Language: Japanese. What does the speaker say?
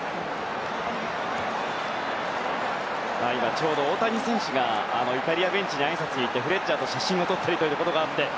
ちょうど大谷選手がイタリアベンチにあいさつに行ってフレッチャーと写真を撮っているということがあって。